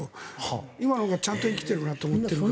今のほうがちゃんと生きているなと思ってるから。